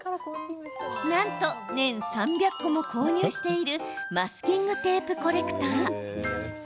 なんと、年３００個も購入しているマスキングテープコレクター。